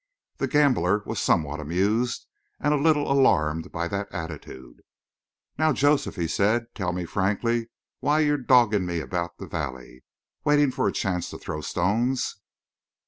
The gambler was somewhat amused and a little alarmed by that attitude. "Now, Joseph," he said, "tell me frankly why you're dodging me about the valley. Waiting for a chance to throw stones?"